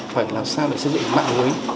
phải làm sao để xây dựng mạng nguối